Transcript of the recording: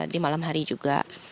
di malam hari juga